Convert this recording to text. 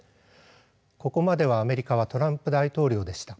ここまではアメリカはトランプ大統領でした。